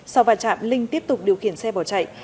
sau vài trạm linh tiếp tục điều khiển xe bỏ chạy